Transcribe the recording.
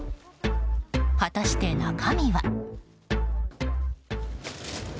果たして中身は。